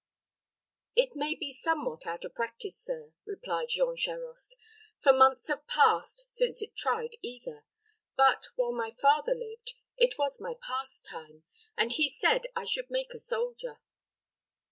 "It may be somewhat out of practice, sir," replied Jean Charost, "for months have passed since it tried either; but, while my father lived, it was my pastime, and he said I should make a soldier."